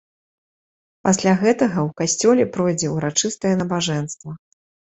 Пасля гэтага ў касцёле пройдзе ўрачыстае набажэнства.